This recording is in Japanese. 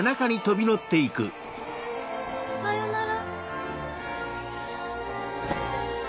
さよなら。